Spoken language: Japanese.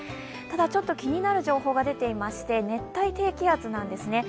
ただ、ちょっと気になる情報が出ていまして、熱帯低気圧です。